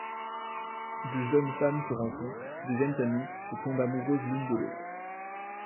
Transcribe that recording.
Deux jeunes femmes se rencontrent, deviennent amies et tombent amoureuses l’une de l’autre.